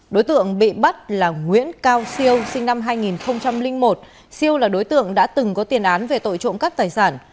đối tượng bị bắt là nguyễn cao siêu sinh năm hai nghìn một siêu là đối tượng đã từng có tiền án về tội trộm cắp tài sản